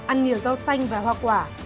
ăn nhiều rau xanh và hoa quả